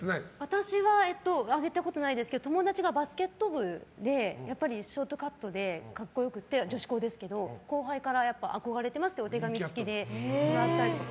私はあげたことないですけど友達が、バスケット部でショートカットで格好良くて、女子校ですけど後輩から憧れてますってお手紙つきでもらったりとか。